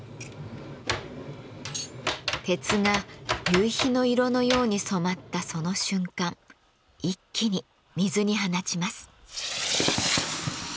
鉄が夕日の色のように染まったその瞬間一気に水に放ちます。